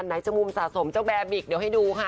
ไหนจะมุมสะสมเจ้าแบร์บิกเดี๋ยวให้ดูค่ะ